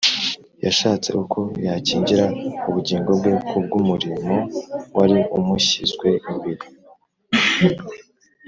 , yashatse uko yakingira ubugingo bwe kubw’umurimo wari umushyizwe imbere